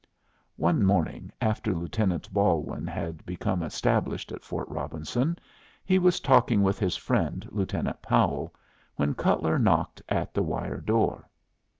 One morning, after Lieutenant Balwin had become established at Fort Robinson, he was talking with his friend Lieutenant Powell, when Cutler knocked at the wire door.